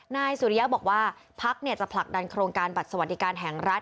นายสุริยะบอกว่าพักจะผลักดันโครงการบัตรสวัสดิการแห่งรัฐ